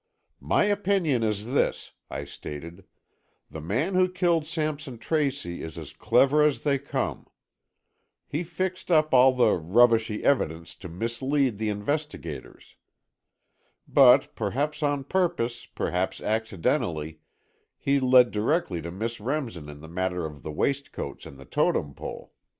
"My opinion is this," I stated, "the man who killed Sampson Tracy is as clever as they come. He fixed up all the rubbishy evidence to mislead the investigators. But, perhaps on purpose, perhaps accidentally, he led directly to Miss Remsen in the matter of the waistcoats and the Totem Pole.